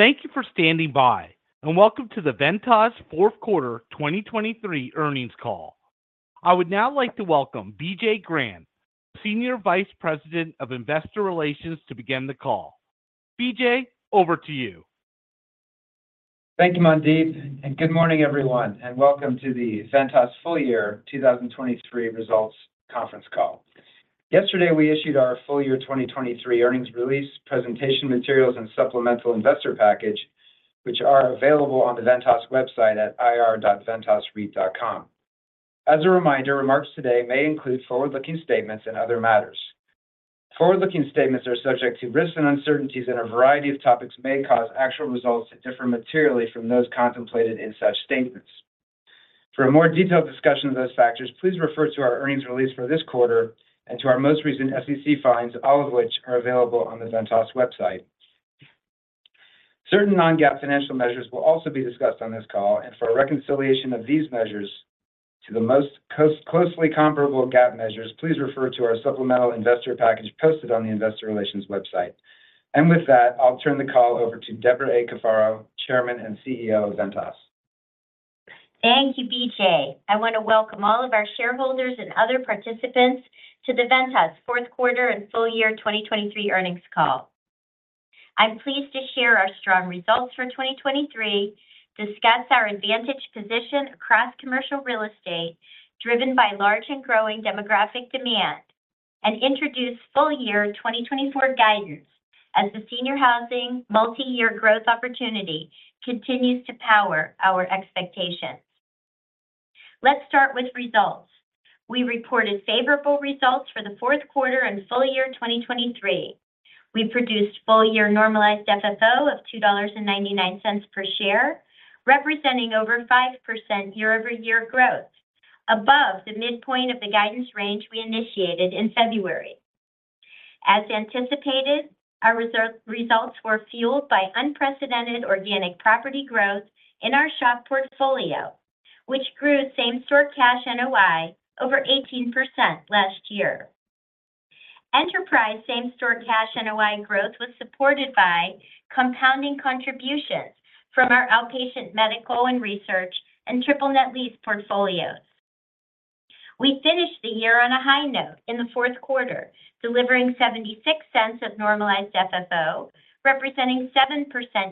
Thank you for standing by, and welcome to the Ventas Fourth Quarter 2023 earnings call. I would now like to welcome B.J. Grant, Senior Vice President of Investor Relations, to begin the call. BJ, over to you. Thank you, Mandeep, and good morning, everyone, and welcome to the Ventas Full Year 2023 Results conference call. Yesterday, we issued our full year 2023 earnings release, presentation materials, and supplemental investor package, which are available on the Ventas website at ir.ventasreit.com. As a reminder, remarks today may include forward-looking statements and other matters. Forward-looking statements are subject to risks and uncertainties, and a variety of topics may cause actual results to differ materially from those contemplated in such statements. For a more detailed discussion of those factors, please refer to our earnings release for this quarter and to our most recent SEC filings, all of which are available on the Ventas website. Certain non-GAAP financial measures will also be discussed on this call, and for a reconciliation of these measures to the most closely comparable GAAP measures, please refer to our supplemental investor package posted on the investor relations website. And with that, I'll turn the call over to Debra A. Cafaro, Chairman and CEO of Ventas. Thank you, B.J. I want to welcome all of our shareholders and other participants to the Ventas fourth quarter and full year 2023 earnings call. I'm pleased to share our strong results for 2023, discuss our advantage position across commercial real estate, driven by large and growing demographic demand, and introduce full year 2024 guidance as the senior housing multi-year growth opportunity continues to power our expectations. Let's start with results. We reported favorable results for the fourth quarter and full year 2023. We produced full year normalized FFO of $2.99 per share, representing over 5% year-over-year growth, above the midpoint of the guidance range we initiated in February. As anticipated, our results were fueled by unprecedented organic property growth in our SHOP portfolio, which grew same-store cash NOI over 18% last year. Enterprise same-store cash NOI growth was supported by compounding contributions from our outpatient medical and research, and triple net lease portfolios. We finished the year on a high note in the fourth quarter, delivering $0.76 of normalized FFO, representing 7%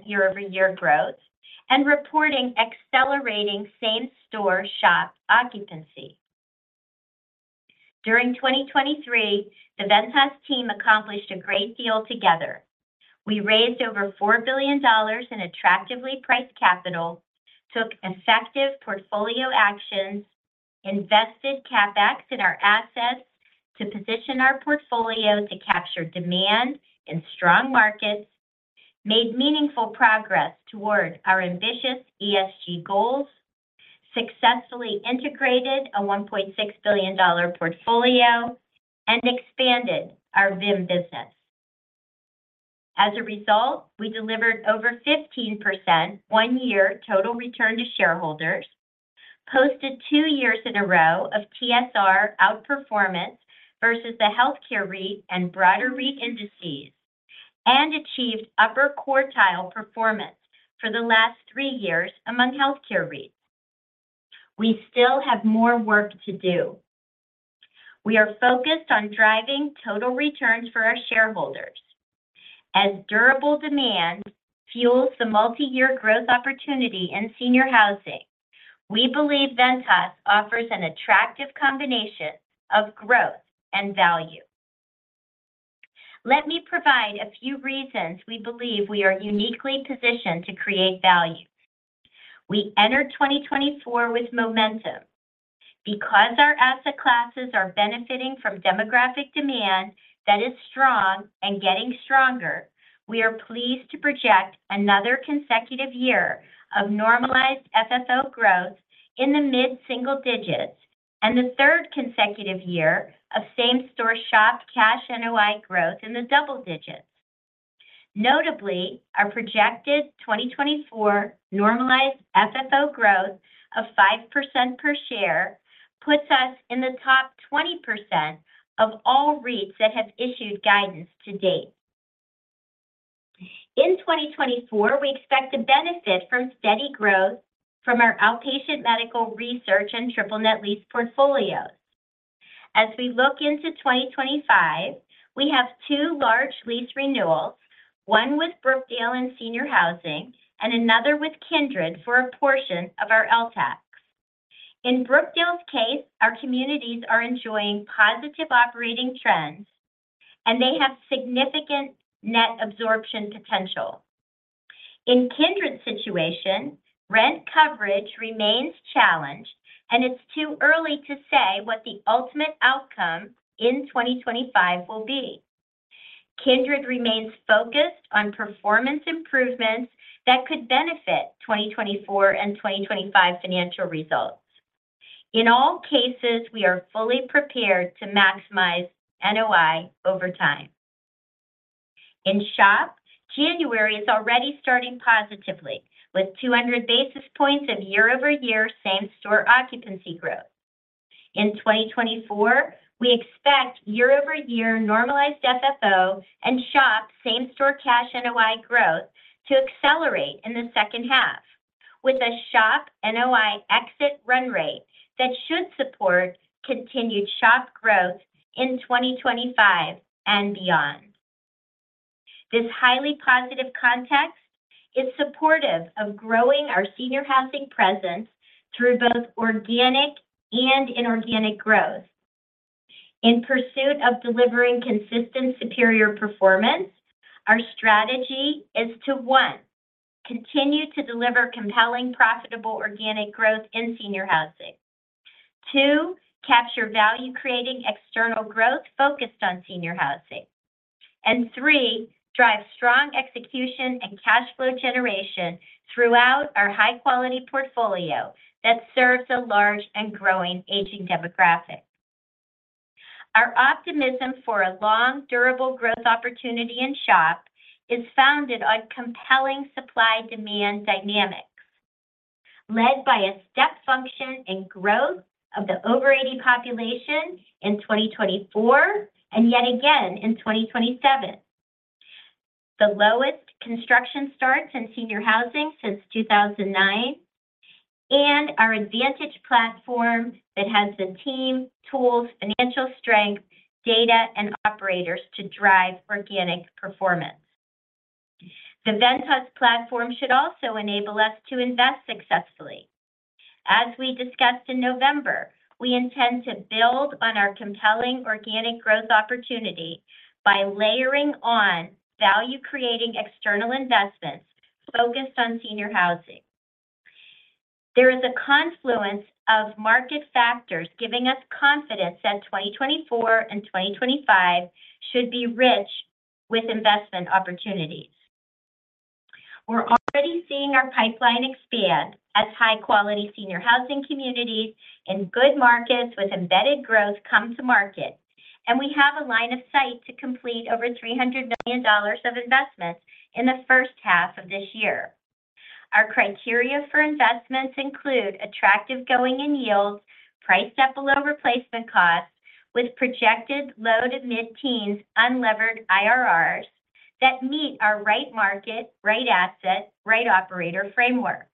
year-over-year growth, and reporting accelerating same-store SHOP occupancy. During 2023, the Ventas team accomplished a great deal together. We raised over $4 billion in attractively priced capital, took effective portfolio actions, invested CapEx in our assets to position our portfolio to capture demand in strong markets, made meaningful progress toward our ambitious ESG goals, successfully integrated a $1.6 billion portfolio, and expanded our VIM business. As a result, we delivered over 15% one-year total return to shareholders, posted two years in a row of TSR outperformance versus the healthcare REIT and broader REIT indices, and achieved upper quartile performance for the last three years among healthcare REITs. We still have more work to do. We are focused on driving total returns for our shareholders. As durable demand fuels the multi-year growth opportunity in senior housing, we believe Ventas offers an attractive combination of growth and value. Let me provide a few reasons we believe we are uniquely positioned to create value. We enter 2024 with momentum. Because our asset classes are benefiting from demographic demand that is strong and getting stronger, we are pleased to project another consecutive year of normalized FFO growth in the mid-single digits, and the third consecutive year of same-store SHOP cash NOI growth in the double digits. Notably, our projected 2024 normalized FFO growth of 5% per share puts us in the top 20% of all REITs that have issued guidance to date. In 2024, we expect to benefit from steady growth from our outpatient medical research and triple net lease portfolios. As we look into 2025, we have two large lease renewals, one with Brookdale in senior housing and another with Kindred for a portion of our LTACs. In Brookdale's case, our communities are enjoying positive operating trends, and they have significant net absorption potential. In Kindred's situation, rent coverage remains challenged, and it's too early to say what the ultimate outcome in 2025 will be. Kindred remains focused on performance improvements that could benefit 2024 and 2025 financial results. In all cases, we are fully prepared to maximize NOI over time. In SHOP, January is already starting positively, with 200 basis points of year-over-year same-store occupancy growth. In 2024, we expect year-over-year normalized FFO and SHOP same-store cash NOI growth to accelerate in the second half, with a SHOP NOI exit run rate that should support continued SHOP growth in 2025 and beyond. This highly positive context is supportive of growing our senior housing presence through both organic and inorganic growth. In pursuit of delivering consistent, superior performance, our strategy is to, one, continue to deliver compelling, profitable organic growth in senior housing. Two, capture value, creating external growth focused on senior housing. And three, drive strong execution and cash flow generation throughout our high-quality portfolio that serves a large and growing aging demographic. Our optimism for a long, durable growth opportunity in SHOP is founded on compelling supply-demand dynamics, led by a step function in growth of the over-80 population in 2024, and yet again in 2027, the lowest construction starts in senior housing since 2009, and our advantage platform that has the team, tools, financial strength, data, and operators to drive organic performance. The Ventas platform should also enable us to invest successfully. As we discussed in November, we intend to build on our compelling organic growth opportunity by layering on value, creating external investments focused on senior housing. There is a confluence of market factors giving us confidence that 2024 and 2025 should be rich with investment opportunities. We're already seeing our pipeline expand as high-quality senior housing communities in good markets with embedded growth come to market, and we have a line of sight to complete over $300 million of investments in the first half of this year. Our criteria for investments include attractive going-in yields, priced well below replacement costs, with projected low- to mid-teens unlevered IRRs that meet our right market, right asset, right operator framework.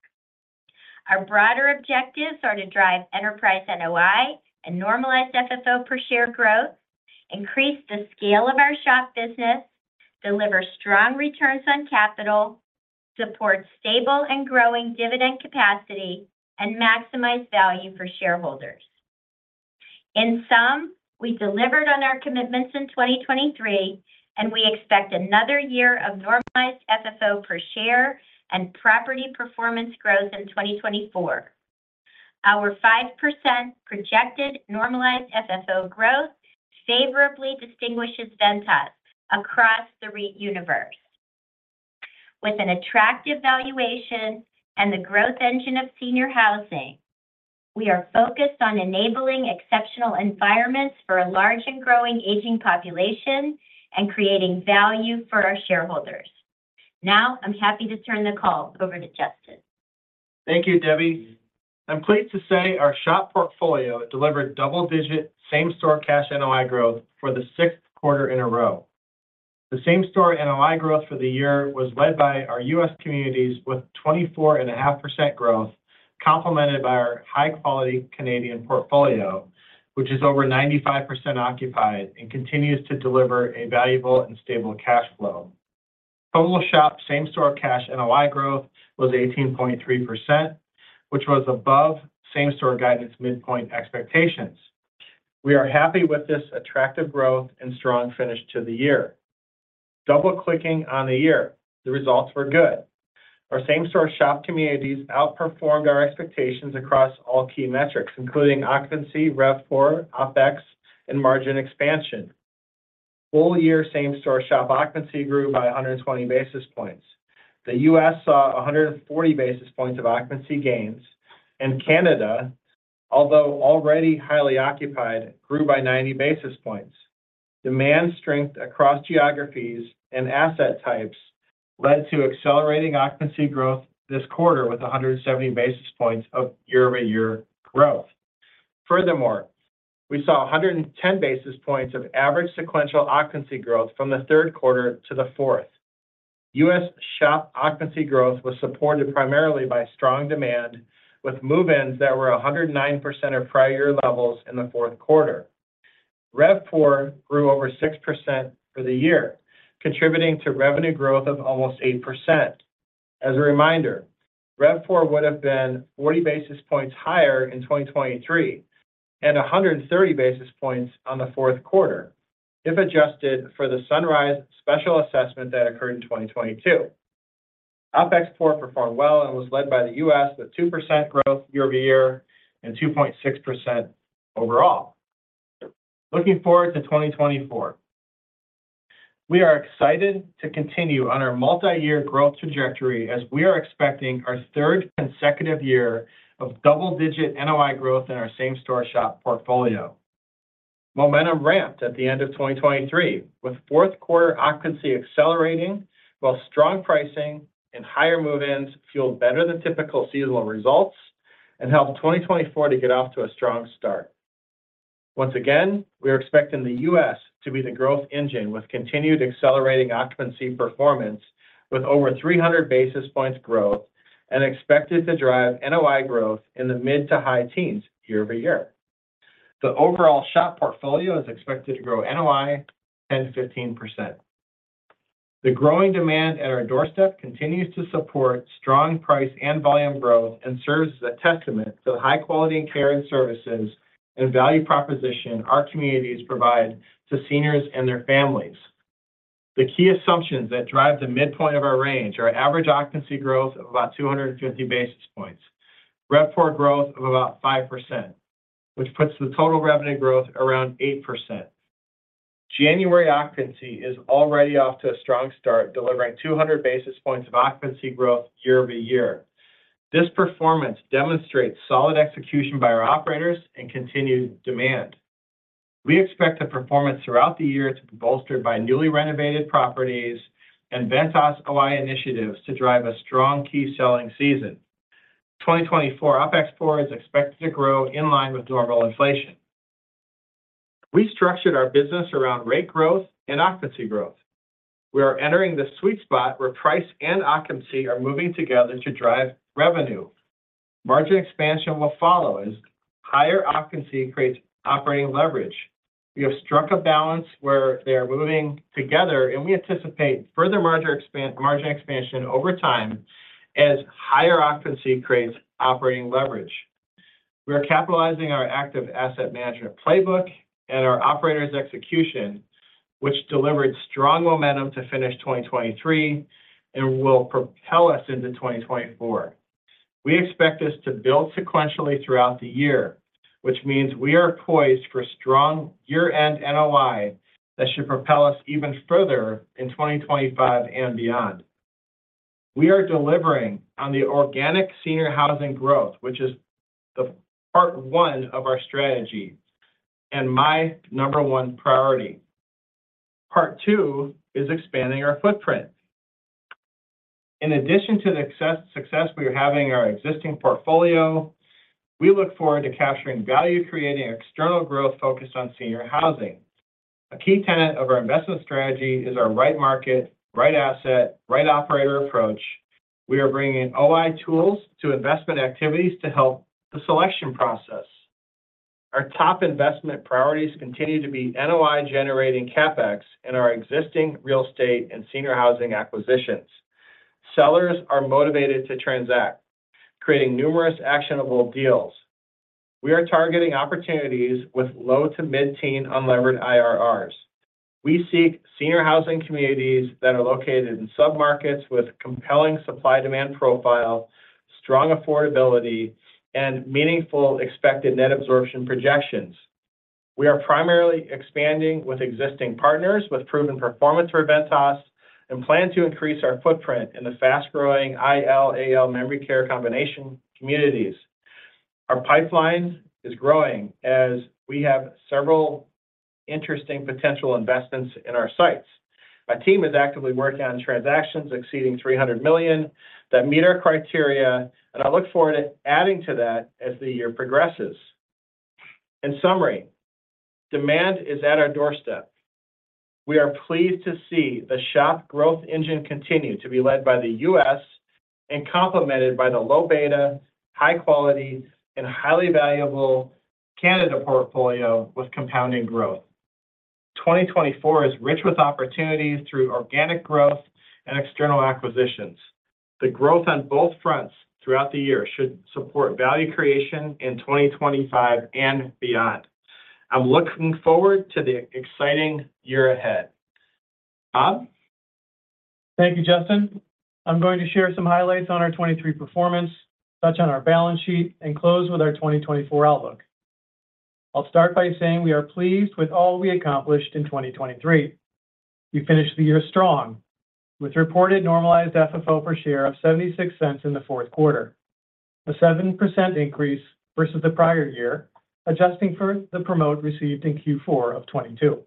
Our broader objectives are to drive enterprise NOI and normalized FFO per share growth, increase the scale of our SHOP business, deliver strong returns on capital, support stable and growing dividend capacity, and maximize value for shareholders. In sum, we delivered on our commitments in 2023, and we expect another year of normalized FFO per share and property performance growth in 2024. Our 5% projected normalized FFO growth favorably distinguishes Ventas across the REIT universe. With an attractive valuation and the growth engine of senior housing, we are focused on enabling exceptional environments for a large and growing aging population, and creating value for our shareholders. Now, I'm happy to turn the call over to Justin. Thank you, Debbie. I'm pleased to say our SHOP portfolio delivered double-digit same-store cash NOI growth for the sixth quarter in a row. The same-store NOI growth for the year was led by our U.S. communities, with 24.5% growth, complemented by our high-quality Canadian portfolio, which is over 95% occupied and continues to deliver a valuable and stable cash flow. Total SHOP same-store cash NOI growth was 18.3%, which was above same-store guidance midpoint expectations. We are happy with this attractive growth and strong finish to the year. Double-clicking on the year, the results were good. Our same-store SHOP communities outperformed our expectations across all key metrics, including occupancy, RevPAR, OpEx, and margin expansion. Full year same-store SHOP occupancy grew by 120 basis points. The U.S. saw 140 basis points of occupancy gains, and Canada, although already highly occupied, grew by 90 basis points. Demand strength across geographies and asset types led to accelerating occupancy growth this quarter with 170 basis points of year-over-year growth. Furthermore, we saw 110 basis points of average sequential occupancy growth from the third quarter to the fourth. U.S. SHOP occupancy growth was supported primarily by strong demand, with move-ins that were 109% of prior year levels in the fourth quarter. RevPAR grew over 6% for the year, contributing to revenue growth of almost 8%. As a reminder, RevPAR would have been 40 basis points higher in 2023, and 130 basis points on the fourth quarter if adjusted for the Sunrise special assessment that occurred in 2022. OpEx POR performed well and was led by the U.S., with 2% growth year-over-year and 2.6% overall. Looking forward to 2024, we are excited to continue on our multi-year growth trajectory as we are expecting our third consecutive year of double-digit NOI growth in our same-store SHOP portfolio. Momentum ramped at the end of 2023, with fourth quarter occupancy accelerating, while strong pricing and higher move-ins fueled better than typical seasonal results and helped 2024 to get off to a strong start. Once again, we are expecting the U.S. to be the growth engine, with continued accelerating occupancy performance with over 300 basis points growth, and expected to drive NOI growth in the mid- to high teens year-over-year. The overall SHOP portfolio is expected to grow NOI 10%-15%. The growing demand at our doorstep continues to support strong price and volume growth, and serves as a testament to the high quality and care, and services, and value proposition our communities provide to seniors and their families. The key assumptions that drive the midpoint of our range are average occupancy growth of about 250 basis points, RevPAR growth of about 5%, which puts the total revenue growth around 8%. January occupancy is already off to a strong start, delivering 200 basis points of occupancy growth year-over-year. This performance demonstrates solid execution by our operators and continued demand. We expect the performance throughout the year to be bolstered by newly renovated properties and Ventas OI initiatives to drive a strong key selling season. 2024 OpEx POR is expected to grow in line with normal inflation. We structured our business around rate growth and occupancy growth. We are entering the sweet spot where price and occupancy are moving together to drive revenue. Margin expansion will follow as higher occupancy creates operating leverage. We have struck a balance where they are moving together, and we anticipate further margin expansion over time as higher occupancy creates operating leverage. We are capitalizing our active asset management playbook and our operators' execution, which delivered strong momentum to finish 2023 and will propel us into 2024. We expect this to build sequentially throughout the year, which means we are poised for strong year-end NOI that should propel us even further in 2025 and beyond. We are delivering on the organic senior housing growth, which is the part one of our strategy and my number one priority. Part two is expanding our footprint. In addition to the success we are having in our existing portfolio, we look forward to capturing value, creating external growth focused on senior housing. A key tenet of our investment strategy is our right market, right asset, right operator approach. We are bringing OI tools to investment activities to help the selection process. Our top investment priorities continue to be NOI-generating CapEx in our existing real estate and senior housing acquisitions. Sellers are motivated to transact, creating numerous actionable deals. We are targeting opportunities with low- to mid-teen unlevered IRRs. We seek senior housing communities that are located in submarkets with compelling supply-demand profile, strong affordability, and meaningful expected net absorption projections. We are primarily expanding with existing partners with proven performance for Ventas, and plan to increase our footprint in the fast-growing IL/AL memory care combination communities. Our pipeline is growing as we have several interesting potential investments in our sights. My team is actively working on transactions exceeding $300 million that meet our criteria, and I look forward to adding to that as the year progresses. In summary, demand is at our doorstep. We are pleased to see the SHOP growth engine continue to be led by the U.S. and complemented by the low beta, high quality, and highly valuable Canada portfolio with compounding growth. 2024 is rich with opportunities through organic growth and external acquisitions. The growth on both fronts throughout the year should support value creation in 2025 and beyond. I'm looking forward to the exciting year ahead. Bob? Thank you, Justin. I'm going to share some highlights on our 2023 performance, touch on our balance sheet, and close with our 2024 outlook. I'll start by saying we are pleased with all we accomplished in 2023. We finished the year strong, with reported normalized FFO per share of $0.76 in the fourth quarter, a 7% increase versus the prior year, adjusting for the promote received in Q4 of 2022.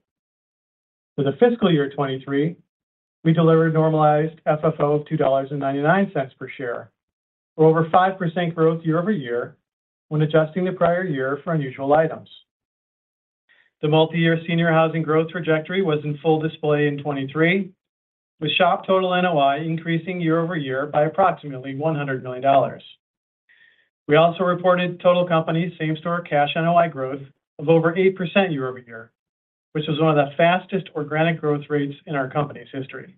For the fiscal year 2023, we delivered normalized FFO of $2.99 per share, or over 5% growth year-over-year when adjusting the prior year for unusual items. The multiyear senior housing growth trajectory was in full display in 2023, with SHOP total NOI increasing year-over-year by approximately $100 million. We also reported total company same-store cash NOI growth of over 8% year-over-year, which is one of the fastest organic growth rates in our company's history.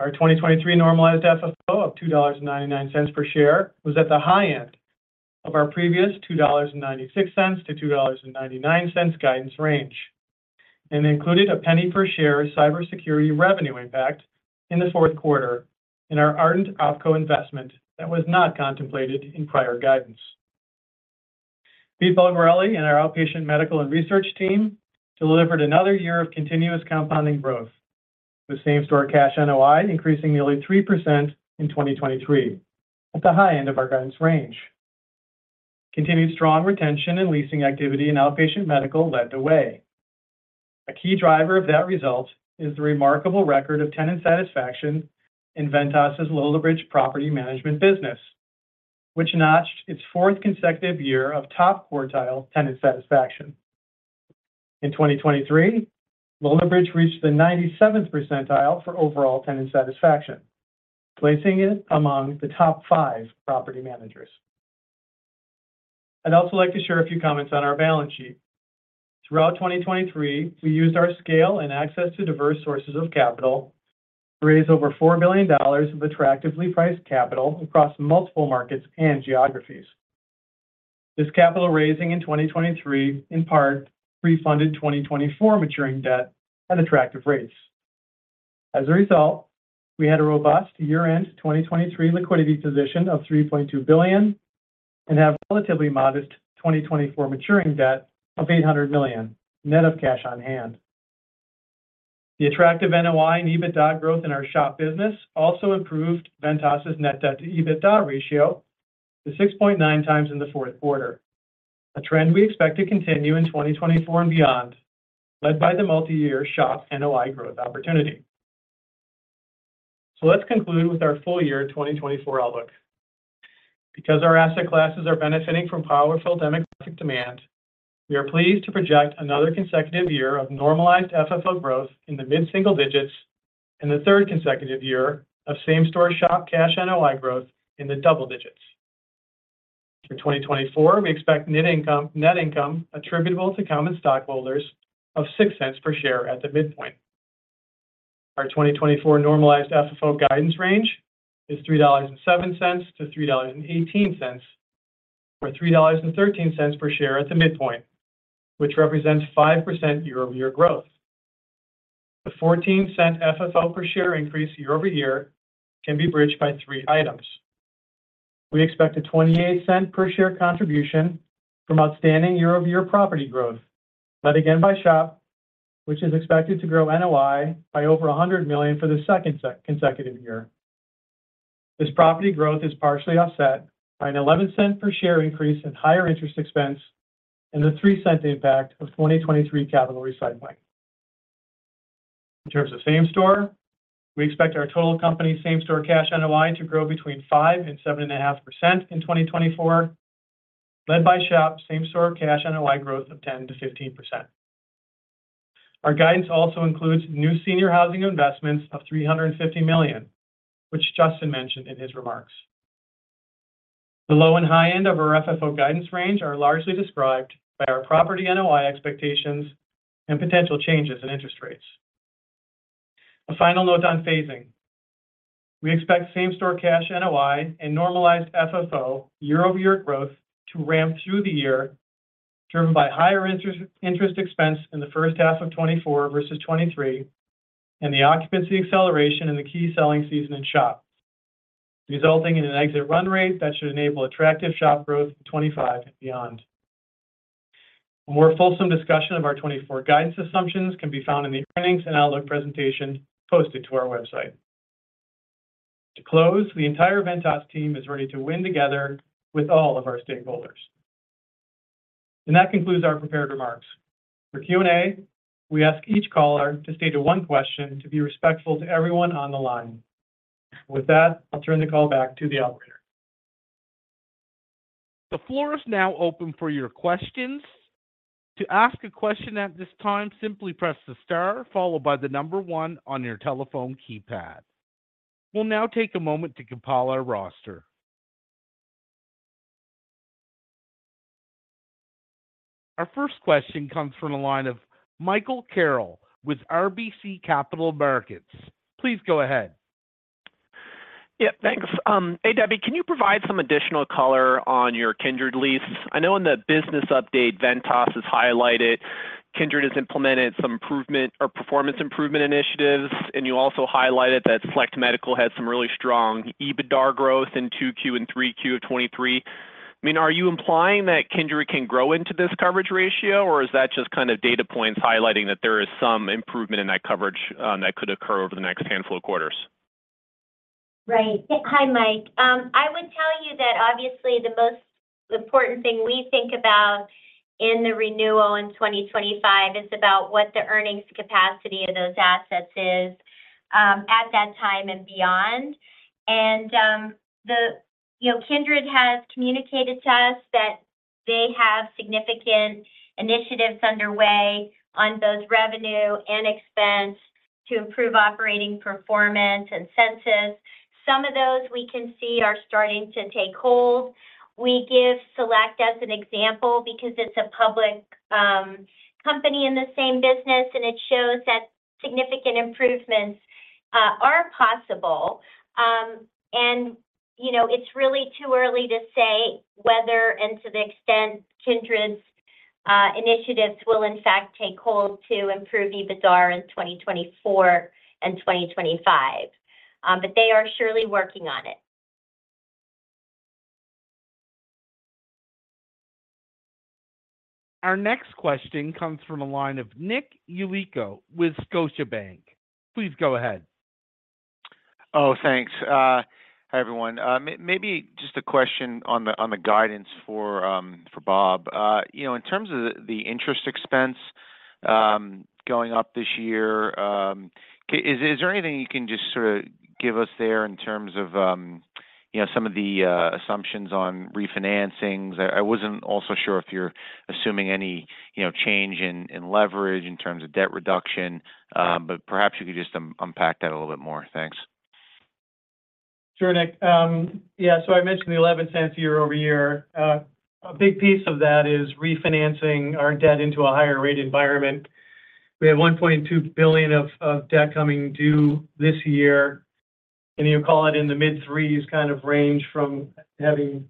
Our 2023 normalized FFO of $2.99 per share was at the high end of our previous $2.96-$2.99 guidance range, and included $0.01 per share cybersecurity revenue impact in the fourth quarter in our Ardent OpCo investment that was not contemplated in prior guidance. Pete Bulgarelli and our outpatient medical and research team delivered another year of continuous compounding growth. With same-store cash NOI increasing nearly 3% in 2023, at the high end of our guidance range. Continued strong retention and leasing activity in outpatient medical led the way. A key driver of that result is the remarkable record of tenant satisfaction in Ventas's Lillibridge Property Management business, which notched its fourth consecutive year of top-quartile tenant satisfaction. In 2023, Lillibridge reached the 97th percentile for overall tenant satisfaction, placing it among the top five property managers. I'd also like to share a few comments on our balance sheet. Throughout 2023, we used our scale and access to diverse sources of capital to raise over $4 billion of attractively priced capital across multiple markets and geographies. This capital raising in 2023, in part, refunded 2024 maturing debt at attractive rates. As a result, we had a robust year-end 2023 liquidity position of $3.2 billion, and have relatively modest 2024 maturing debt of $800 million, net of cash on hand. The attractive NOI and EBITDA growth in our shop business also improved Ventas's net debt to EBITDA ratio to 6.9x in the fourth quarter. A trend we expect to continue in 2024 and beyond, led by the multi-year shop NOI growth opportunity. So let's conclude with our full year, 2024 outlook. Because our asset classes are benefiting from powerful demographic demand, we are pleased to project another consecutive year of normalized FFO growth in the mid-single digits, and the third consecutive year of same-store shop cash NOI growth in the double digits. For 2024, we expect net income, net income attributable to common stockholders of $0.06 per share at the midpoint. Our 2024 normalized FFO guidance range is $3.07-$3.18, or $3.13 per share at the midpoint, which represents 5% year-over-year growth. The $0.14 FFO per share increase year-over-year can be bridged by three items. We expect a $0.28 per share contribution from outstanding year-over-year property growth, led again by shop, which is expected to grow NOI by over $100 million for the second consecutive year. This property growth is partially offset by an $0.11 per share increase in higher interest expense and a $0.03 impact of 2023 capital recycling. In terms of same-store, we expect our total company same-store cash NOI to grow between 5% and 7.5% in 2024, led by shop same-store cash NOI growth of 10%-15%. Our guidance also includes new senior housing investments of $350 million, which Justin mentioned in his remarks. The low and high end of our FFO guidance range are largely described by our property NOI expectations and potential changes in interest rates. A final note on phasing. We expect same-store cash NOI and normalized FFO year-over-year growth to ramp through the year, driven by higher interest expense in the first half of 2024 versus 2023, and the occupancy acceleration in the key selling season in SHOP, resulting in an exit run rate that should enable attractive SHOP growth in 2025 and beyond. A more fulsome discussion of our 2024 guidance assumptions can be found in the earnings and outlook presentation posted to our website. To close, the entire Ventas team is ready to win together with all of our stakeholders. That concludes our prepared remarks. For Q&A, we ask each caller to stay to one question, to be respectful to everyone on the line. With that, I'll turn the call back to the operator. The floor is now open for your questions. To ask a question at this time, simply press the star followed by the number one on your telephone keypad. We'll now take a moment to compile our roster. Our first question comes from the line of Michael Carroll with RBC Capital Markets. Please go ahead. Yeah, thanks. Hey, Debbie, can you provide some additional color on your Kindred lease? I know in the business update, Ventas has highlighted Kindred has implemented some improvement or performance improvement initiatives, and you also highlighted that Select Medical had some really strong EBITDA growth in 2Q and 3Q of 2023. I mean, are you implying that Kindred can grow into this coverage ratio, or is that just kind of data points highlighting that there is some improvement in that coverage that could occur over the next handful of quarters? Right. Hi Mike,. I would tell you that obviously the most important thing we think about in the renewal in 2025 is about what the earnings capacity of those assets is, at that time and beyond. And, you know, Kindred has communicated to us that they have significant initiatives underway on both revenue and expense to improve operating performance and census. Some of those we can see are starting to take hold. We give Select as an example because it's a public, company in the same business, and it shows that significant improvements, are possible. And, you know, it's really too early to say whether and to the extent Kindred's, initiatives will in fact take hold to improve EBITDA in 2024 and 2025, but they are surely working on it. Our next question comes from the line of Nick Yulico with Scotiabank. Please go ahead. Oh, thanks. Hi, everyone. Maybe just a question on the guidance for Bob. You know, in terms of the interest expense going up this year, is there anything you can just sort of give us there in terms of you know, some of the assumptions on refinancings? I wasn't also sure if you're assuming any, you know, change in leverage, in terms of debt reduction, but perhaps you could just unpack that a little bit more. Thanks. Sure, Nick. Yeah, so I mentioned the $0.11 year-over-year. A big piece of that is refinancing our debt into a higher rate environment. We have $1.2 billion of debt coming due this year, and you call it in the mid-3s kind of range from having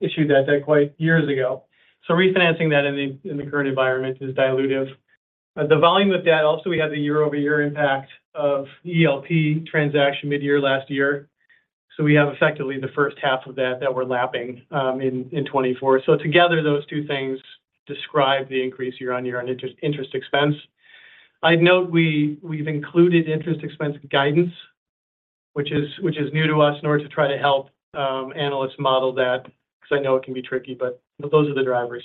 issued that debt quite years ago. So refinancing that in the current environment is dilutive. The volume of debt, also, we have the year-over-year impact of the ELP transaction mid-year last year. So we have effectively the first half of that we're lapping in 2024. So together, those two things describe the increase year-on-year on interest expense. I'd note, we've included interest expense guidance, which is new to us, in order to try to help analysts model that, because I know it can be tricky, but those are the drivers.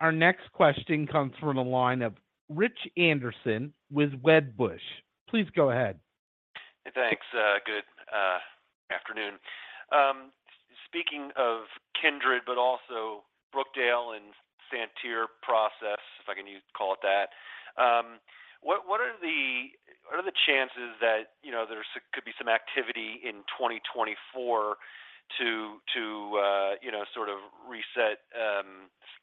Our next question comes from a line of Rich Anderson with Wedbush. Please go ahead. Hey, thanks. Good afternoon. Speaking of Kindred, but also Brookdale and the entire process, if I can call it that, what are the chances that, you know, there could be some activity in 2024 to, you know, sort of reset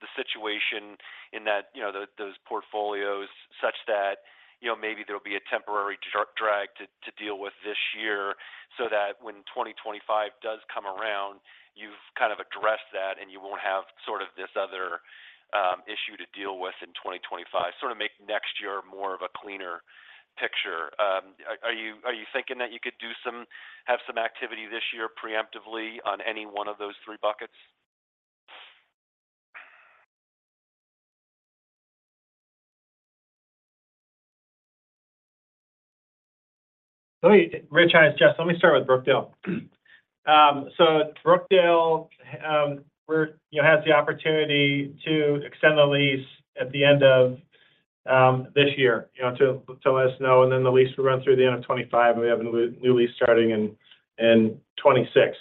the situation in that, you know, those portfolios, such that, you know, maybe there'll be a temporary drag to deal with this year, so that when 2025 does come around, you've kind of addressed that, and you won't have sort of this other issue to deal with in 2025? Sort of make next year more of a cleaner picture. Are you thinking that you could do some, have some activity this year preemptively on any one of those three buckets? Rich, hi, it's Justin. Let me start with Brookdale. So Brookdale, we're, you know, has the opportunity to extend the lease at the end of this year, you know, to let us know, and then the lease will run through the end of 2025, and we have a new lease starting in 2026.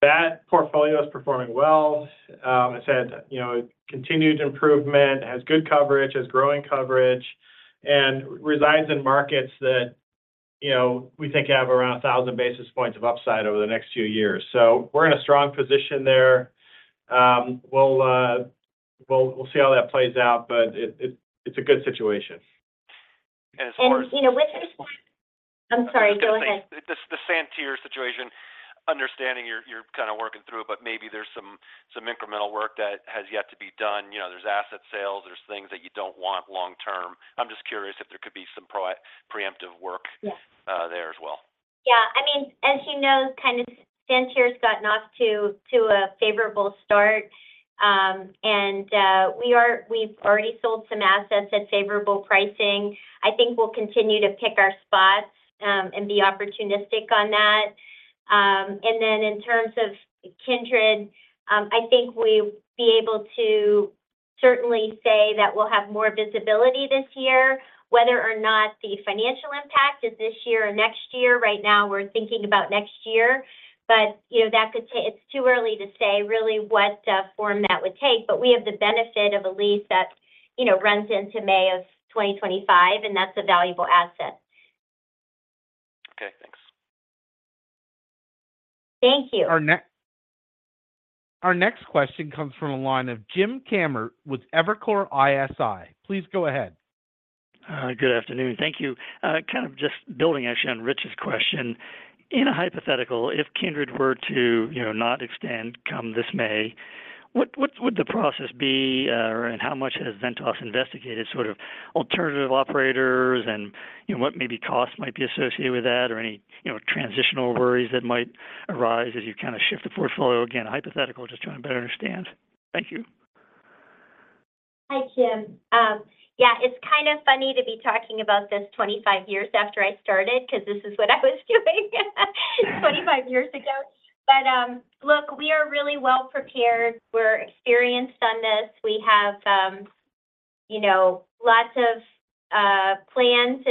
That portfolio is performing well. It's had, you know, continued improvement, has good coverage, has growing coverage, and resides in markets that, you know, we think have around 1,000 basis points of upside over the next few years. So we're in a strong position there. We'll see how that plays out, but it, it's a good situation. As far as- You know, I'm sorry, go ahead. The Santerre situation, understanding you're kind of working through it, but maybe there's some incremental work that has yet to be done. You know, there's asset sales, there's things that you don't want long term. I'm just curious if there could be some preemptive work- Yes. There as well. Yeah, I mean, as you know, kind of Santerre's gotten off to a favorable start. And we've already sold some assets at favorable pricing. I think we'll continue to pick our spots and be opportunistic on that. And then in terms of Kindred, I think we'll be able to certainly say that we'll have more visibility this year. Whether or not the financial impact is this year or next year, right now, we're thinking about next year. But, you know, that could—it's too early to say really what form that would take, but we have the benefit of a lease that, you know, runs into May of 2025, and that's a valuable asset. Okay, thanks. Thank you. Our next question comes from a line of Jim Kammert with Evercore ISI. Please go ahead. Good afternoon. Thank you. Kind of just building actually on Rich's question. In a hypothetical, if Kindred were to, you know, not extend, come this May, what, what would the process be, and how much has Ventas investigated sort of alternative operators, and, you know, what maybe costs might be associated with that, or any, you know, transitional worries that might arise as you kinda shift the portfolio? Again, hypothetical, just trying to better understand. Thank you. Hi, Jim. Yeah, it's kind of funny to be talking about this 25 years after I started, 'cause this is what I was doing 25 years ago. But, look, we are really well prepared. We're experienced on this. We have, you know, lots of plans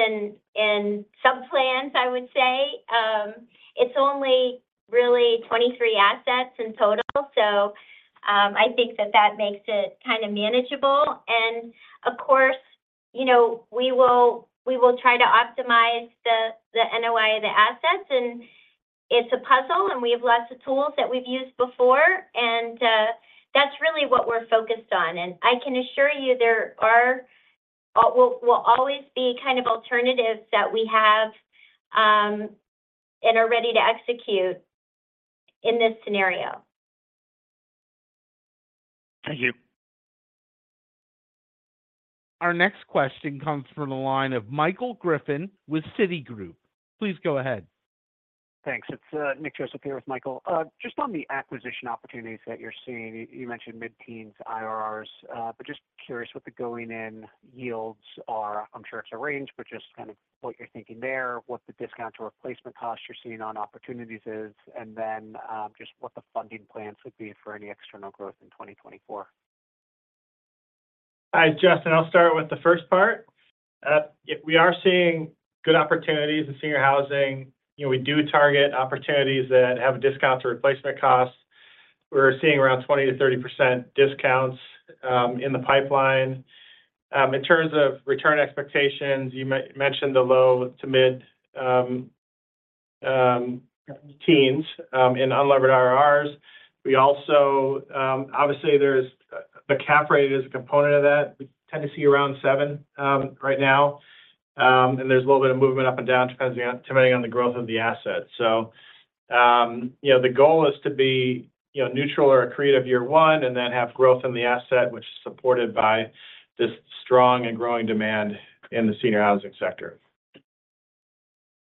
and sub-plans, I would say. It's only really 23 assets in total, so I think that that makes it kind of manageable. And of course, you know, we will try to optimize the NOI of the assets, and it's a puzzle, and we have lots of tools that we've used before. And that's really what we're focused on. And I can assure you, there will always be kind of alternatives that we have and are ready to execute in this scenario. Thank you. Our next question comes from the line of Michael Griffin with Citigroup. Please go ahead. Thanks. It's Nick Joseph here with Michael. Just on the acquisition opportunities that you're seeing, you mentioned mid-teens IRRs. But just curious what the going-in yields are. I'm sure it's a range, but just kind of what you're thinking there, what the discount to replacement cost you're seeing on opportunities is, and then just what the funding plans would be for any external growth in 2024. Hi, it's Justin. I'll start with the first part. Yeah, we are seeing good opportunities in senior housing. You know, we do target opportunities that have a discount to replacement costs. We're seeing around 20%-30% discounts in the pipeline. In terms of return expectations, you mentioned the low-to-mid teens in unlevered IRRs. We also obviously, there's the cap rate is a component of that. We tend to see around seven right now, and there's a little bit of movement up and down, depending on the growth of the asset. You know, the goal is to be, you know, neutral or accretive year one, and then have growth in the asset, which is supported by this strong and growing demand in the senior housing sector.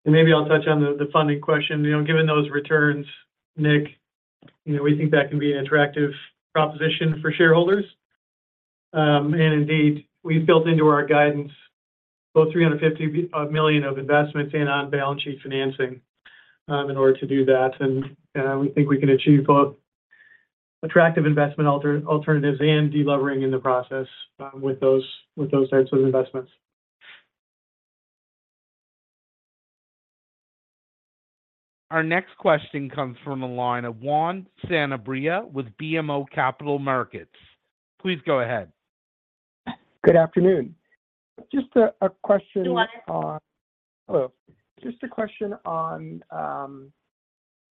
Maybe I'll touch on the funding question. You know, given those returns, Nick, you know, we think that can be an attractive proposition for shareholders. And indeed, we've built into our guidance both $350 million of investments and on-balance sheet financing, in order to do that. And we think we can achieve both attractive investment alternatives and delevering in the process, with those types of investments. Our next question comes from the line of Juan Sanabria with BMO Capital Markets. Please go ahead. Good afternoon. Just a question on- Hello, Juan. Hello. Just a question on,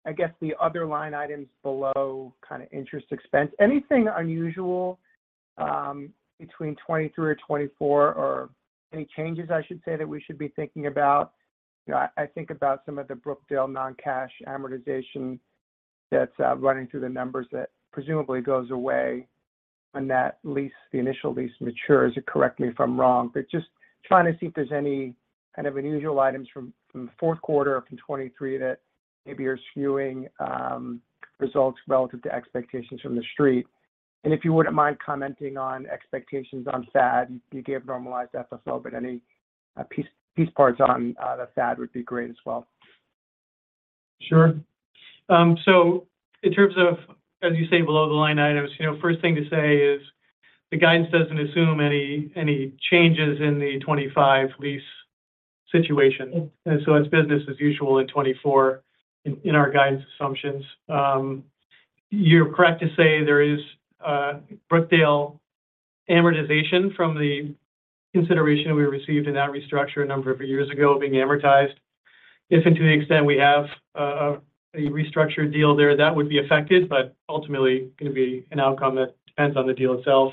I guess, the other line items below kind of interest expense. Anything unusual, between 2023 or 2024, or any changes, I should say, that we should be thinking about? You know, I, I think about some of the Brookdale non-cash amortization that's, running through the numbers that presumably goes away when that lease, the initial lease matures, or correct me if I'm wrong. But just trying to see if there's any kind of unusual items from, from the fourth quarter from 2023 that maybe are skewing, results relative to expectations from the street. And if you wouldn't mind commenting on expectations on FAD. You gave normalized FFO, but any, piece, piece parts on, the FAD would be great as well. Sure. So in terms of, as you say, below the line items, you know, first thing to say is the guidance doesn't assume any changes in the 2025 lease situation, and so it's business as usual in 2024 in our guidance assumptions. You're correct to say there is Brookdale amortization from the consideration we received in that restructure a number of years ago being amortized. If and to the extent we have a restructured deal there, that would be affected, but ultimately going to be an outcome that depends on the deal itself.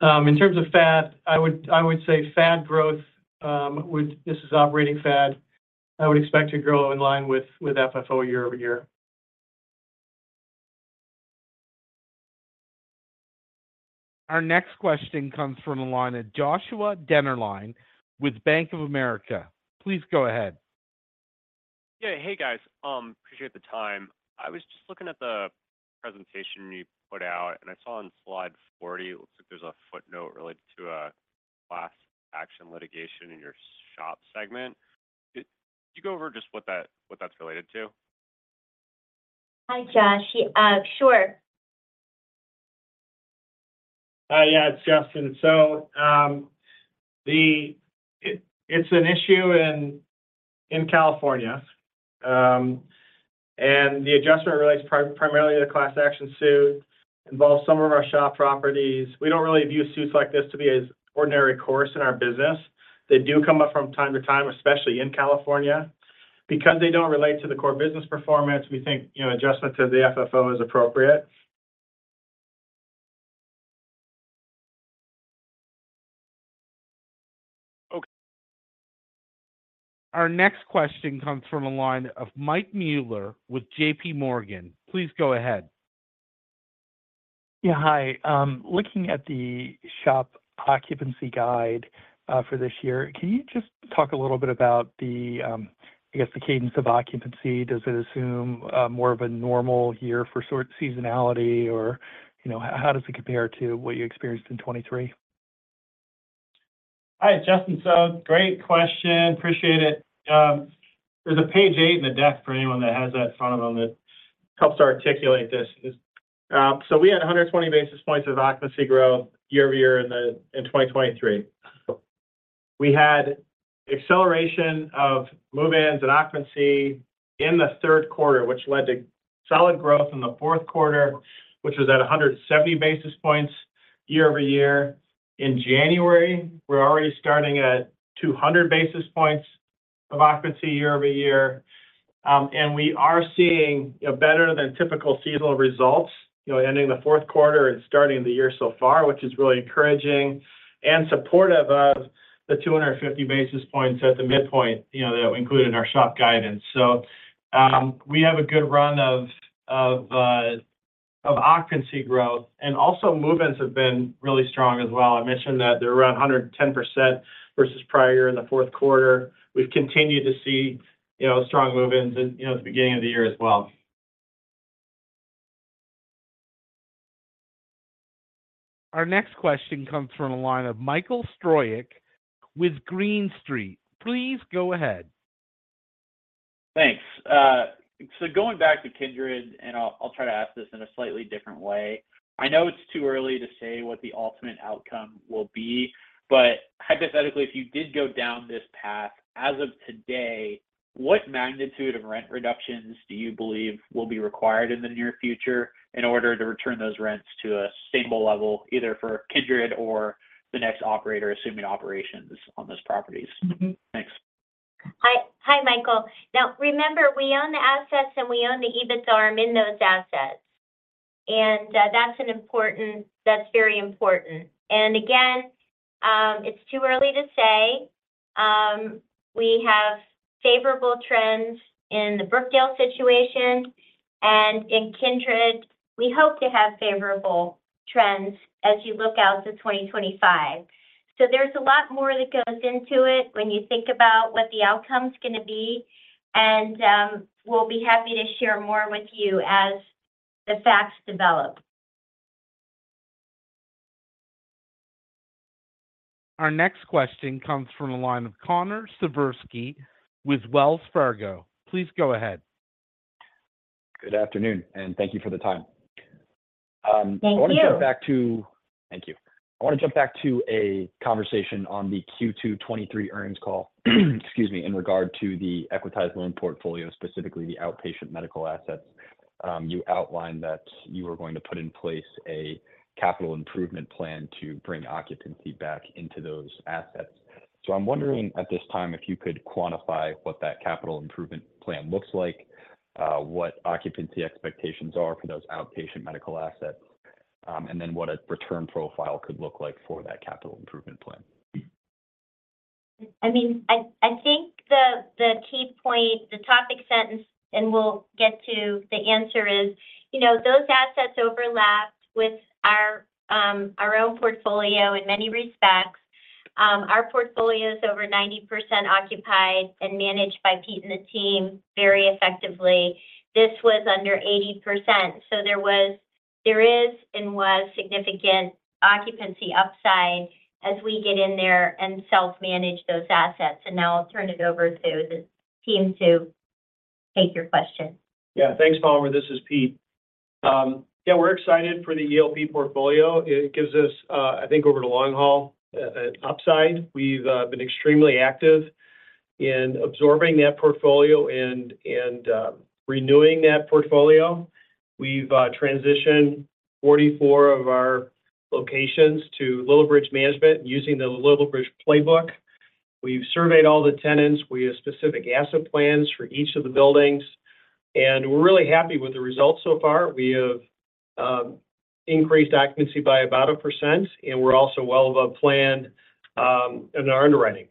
In terms of FAD, I would say FAD growth would. This is operating FAD, I would expect to grow in line with FFO year-over-year. Our next question comes from the line of Joshua Dennerlein with Bank of America. Please go ahead. Yeah. Hey, guys. Appreciate the time. I was just looking at the presentation you put out, and I saw on slide 40, it looks like there's a footnote related to a class action litigation in your SHOP segment. Could you go over just what that's related to? Hi, Josh. Yeah, sure. Yeah, it's Justin. So, it's an issue in California, and the adjustment relates primarily to a class action suit, involves some of our SHOP properties. We don't really view suits like this to be an ordinary course in our business. They do come up from time to time, especially in California. Because they don't relate to the core business performance, we think, you know, adjustment to the FFO is appropriate. Okay. Our next question comes from a line of Mike Mueller with JPMorgan. Please go ahead. Yeah. Hi. Looking at the SHOP occupancy guide, for this year, can you just talk a little bit about the, I guess, the cadence of occupancy? Does it assume, more of a normal year for sort of seasonality, or, you know, how does it compare to what you experienced in 2023? Hi, Justin. So great question. Appreciate it. There's a page eight in the deck for anyone that has that in front of them that helps to articulate this. So we had 120 basis points of occupancy growth year-over-year in 2023. We had acceleration of move-ins and occupancy in the third quarter, which led to solid growth in the fourth quarter, which was at 170 basis points year-over-year. In January, we're already starting at 200 basis points of occupancy year-over-year. And we are seeing a better than typical seasonal results, you know, ending the fourth quarter and starting the year so far, which is really encouraging and supportive of the 250 basis points at the midpoint, you know, that we included in our SHOP guidance. We have a good run of occupancy growth, and also move-ins have been really strong as well. I mentioned that they're around 110% versus prior year in the fourth quarter. We've continued to see, you know, strong move-ins in, you know, the beginning of the year as well. Our next question comes from the line of Michael Stroyeck with Green Street. Please go ahead. Thanks. So going back to Kindred, and I'll try to ask this in a slightly different way. I know it's too early to say what the ultimate outcome will be, but hypothetically, if you did go down this path, as of today, what magnitude of rent reductions do you believe will be required in the near future in order to return those rents to a stable level, either for Kindred or the next operator assuming operations on those properties? Mm-hmm. Thanks. Hi, hi, Michael. Now, remember, we own the assets, and we own the EBITDAR in those assets, and that's an important - that's very important. And again, it's too early to say. We have favorable trends in the Brookdale situation, and in Kindred, we hope to have favorable trends as you look out to 2025. So there's a lot more that goes into it when you think about what the outcome's gonna be, and we'll be happy to share more with you as the facts develop. Our next question comes from the line of Connor Siversky with Wells Fargo. Please go ahead. Good afternoon, and thank you for the time. Thank you. I want to jump back to a conversation on the Q2 2023 earnings call, excuse me, in regard to the Equitized Loan Portfolio, specifically the outpatient medical assets. You outlined that you were going to put in place a capital improvement plan to bring occupancy back into those assets. So I'm wondering, at this time, if you could quantify what that capital improvement plan looks like, what occupancy expectations are for those outpatient medical assets, and then what a return profile could look like for that capital improvement plan? I mean, I think the key point, the topic sentence, and we'll get to the answer, is, you know, those assets overlapped with our own portfolio in many respects. Our portfolio is over 90% occupied and managed by Pete and the team very effectively. This was under 80%, so there was, there is and was significant occupancy upside as we get in there and self-manage those assets. And now I'll turn it over to the team to take your question. Yeah. Thanks, Connor. This is Pete. Yeah, we're excited for the ELP portfolio. It gives us, I think, over the long haul, upside. We've been extremely active in absorbing that portfolio and, and, renewing that portfolio. We've transitioned 44 of our locations to Lillibridge Management using the Lillibridge playbook. We've surveyed all the tenants. We have specific asset plans for each of the buildings, and we're really happy with the results so far. We have, increased occupancy by about 1%, and we're also well above plan, in our underwriting.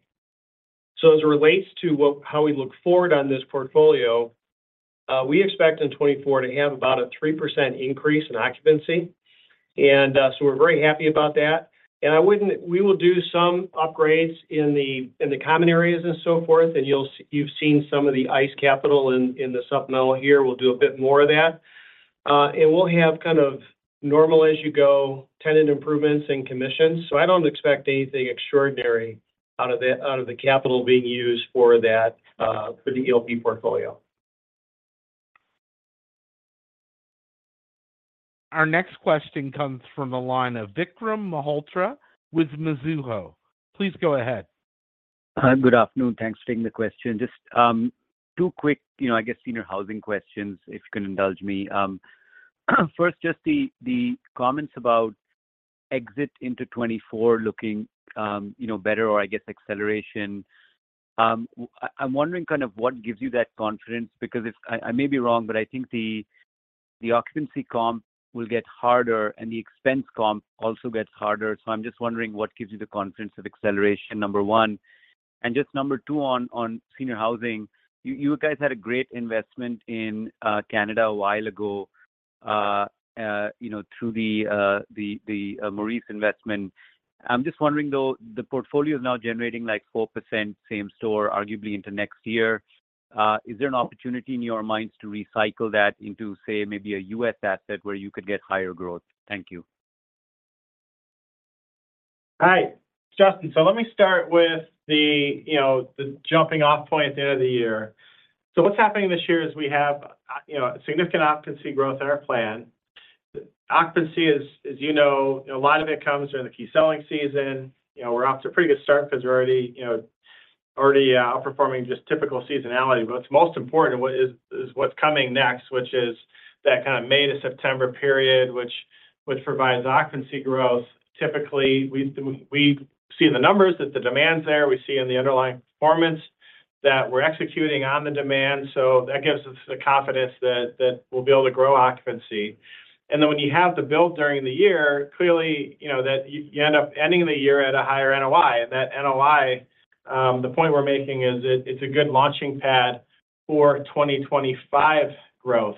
So as it relates to what- how we look forward on this portfolio, we expect in 2024 to have about a 3% increase in occupancy, and, so we're very happy about that. We will do some upgrades in the common areas and so forth, and you've seen some of the ICE Capital in the supplemental here. We'll do a bit more of that. And we'll have kind of normal-as-you-go tenant improvements and commissions, so I don't expect anything extraordinary out of the capital being used for that, for the ELP portfolio. Our next question comes from the line of Vikram Malhotra with Mizuho. Please go ahead. Hi, good afternoon. Thanks for taking the question. Just, two quick, you know, I guess, senior housing questions, if you can indulge me. First, just the comments about exit into 2024 looking, you know, better, or I guess, acceleration. I'm wondering kind of what gives you that confidence? Because I may be wrong, but I think the occupancy comp will get harder, and the expense comp also gets harder. So I'm just wondering what gives you the confidence of acceleration, number one. And just number two, on senior housing, you guys had a great investment in Canada a while ago, you know, through the Groupe Maurice investment. I'm just wondering, though, the portfolio is now generating, like, 4% same store, arguably into next year. Is there an opportunity in your minds to recycle that into, say, maybe a U.S. asset where you could get higher growth? Thank you. Hi, it's Justin. So let me start with the, you know, the jumping off point at the end of the year. So what's happening this year is we have, you know, significant occupancy growth in our plan. Occupancy is, as you know, a lot of it comes during the key selling season. You know, we're off to a pretty good start because we're already, you know, already outperforming just typical seasonality. But what's most important, what is what's coming next, which is that kind of May to September period, which provides occupancy growth. Typically, we see the numbers, that the demand's there. We see in the underlying performance that we're executing on the demand, so that gives us the confidence that we'll be able to grow occupancy. Then when you have the build during the year, clearly, you know, that you, you end up ending the year at a higher NOI, and that NOI, the point we're making is it, it's a good launching pad for 2025 growth,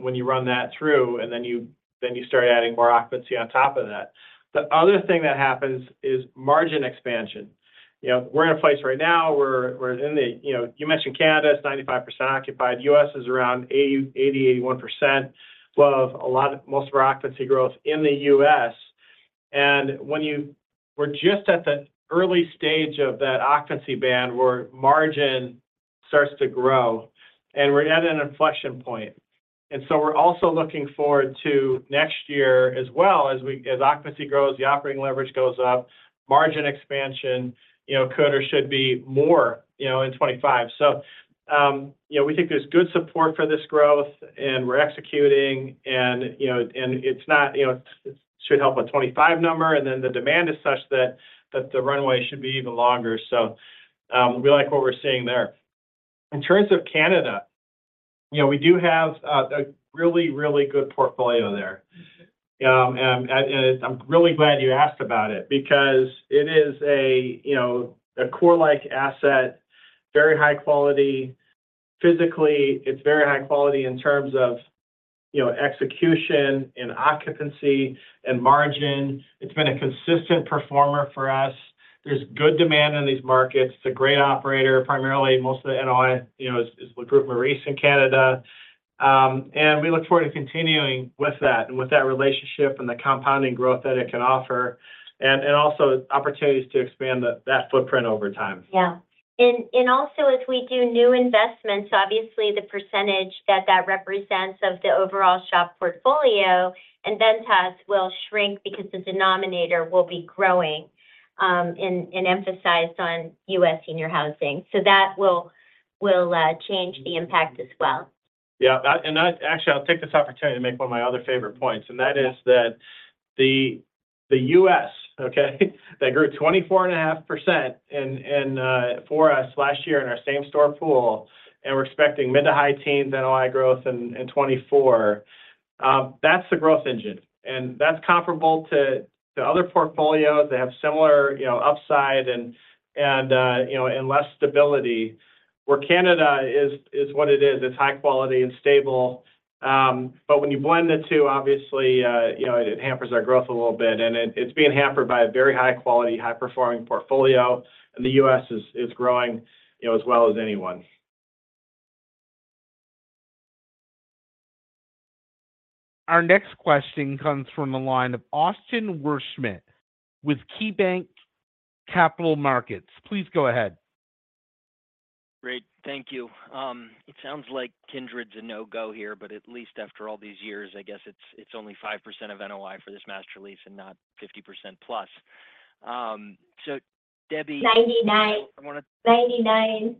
when you run that through, and then you, then you start adding more occupancy on top of that. The other thing that happens is margin expansion. You know, we're in a place right now where we're in the, you know, you mentioned Canada is 95% occupied. U.S. is around 80, 80, 81%. Well, a lot of, most of our occupancy growth in the U.S., and when you, we're just at the early stage of that occupancy band, where margin starts to grow, and we're at an inflection point. And so we're also looking forward to next year as well. As occupancy grows, the operating leverage goes up, margin expansion, you know, could or should be more, you know, in 2025. So, you know, we think there's good support for this growth, and we're executing, and, you know, and it's not. You know, it should help with 2025 number, and then the demand is such that the runway should be even longer. So, we like what we're seeing there. In terms of Canada, you know, we do have a really, really good portfolio there. And I'm really glad you asked about it because it is a, you know, a core-like asset, very high quality. Physically, it's very high quality in terms of, you know, execution and occupancy and margin. It's been a consistent performer for us. There's good demand in these markets. It's a great operator. Primarily, most of the NOI, you know, is with Groupe Maurice in Canada. And we look forward to continuing with that, and with that relationship, and the compounding growth that it can offer, and also opportunities to expand that footprint over time. Yeah. And also, as we do new investments, obviously, the percentage that that represents of the overall SHOP portfolio and then that will shrink because the denominator will be growing, and emphasis on U.S. senior housing. So that will change the impact as well. Yeah, and actually, I'll take this opportunity to make one of my other favorite points, and that is that the U.S., okay, that grew 24.5% in for us last year in our same store pool, and we're expecting mid- to high-teens NOI growth in 2024. That's the growth engine, and that's comparable to other portfolios that have similar, you know, upside and less stability. Where Canada is, is what it is. It's high quality and stable. But when you blend the two, obviously, you know, it hampers our growth a little bit, and it's being hampered by a very high quality, high-performing portfolio, and the U.S. is growing, you know, as well as anyone. Our next question comes from the line of Austin Wurschmidt with KeyBanc Capital Markets. Please go ahead. Great. Thank you. It sounds like Kindred's a no-go here, but at least after all these years, I guess it's only 5% of NOI for this master lease and not 50% plus. So Debbie- 99. 99.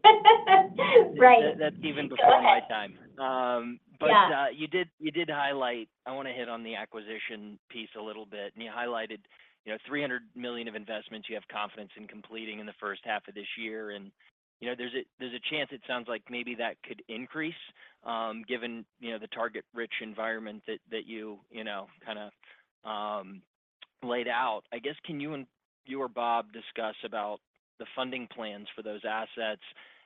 Right. That's even before my time. Yeah. But, you did, you did highlight. I wanna hit on the acquisition piece a little bit. And you highlighted, you know, $300 million of investments you have confidence in completing in the first half of this year, and, you know, there's a, there's a chance it sounds like maybe that could increase, given, you know, the target-rich environment that, that you, you know, kinda, laid out. I guess, can you and you or Bob discuss about the funding plans for those assets